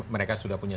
mereka sudah punya